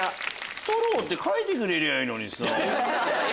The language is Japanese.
「ストロー」って書いてくれりゃいいのにさ。